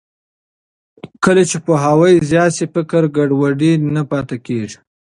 کله چې پوهاوی زیات شي، فکري ګډوډي نه پاتې کېږي.